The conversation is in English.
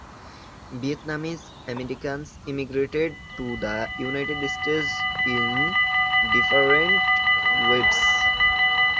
Vietnamese-Americans immigrated to the United States in different waves.